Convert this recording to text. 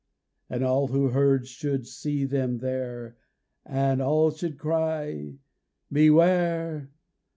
And all who heard should see them there And all should cry, Beware!